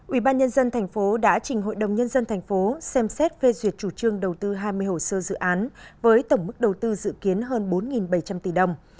ủy ban nhân dân thành phố đã trình hội đồng nhân dân thành phố xem xét phê duyệt chủ trương đầu tư hai mươi hồ sơ dự án với tổng mức đầu tư dự kiến hơn bốn bảy trăm linh tỷ đồng